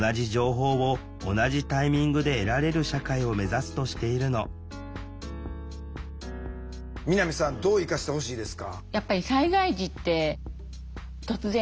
一方日本では南さんどう生かしてほしいですか？